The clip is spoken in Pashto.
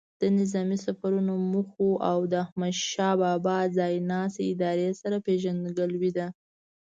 د نظامي سفرونو موخو او د احمدشاه بابا ځای ناستو ادارې سره پیژندګلوي ده.